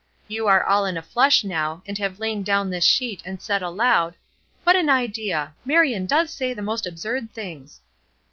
You are all in a flush, now, and have lain down this sheet and said aloud: 'What an idea! Marion does say the most absurd things!'